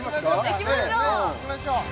いきましょう！